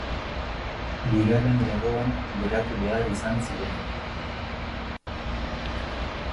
Bigarren lerroan geratu behar izan ziren.